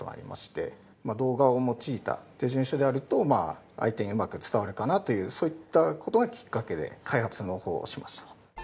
動画を用いた手順書であると相手にうまく伝わるかなというそういった事がきっかけで開発の方をしました。